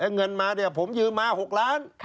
เงินมาผมยืมมา๖ล้าน